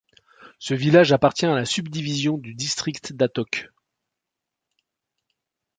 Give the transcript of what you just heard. Ce village appartient à la subdivision du district d'Attock.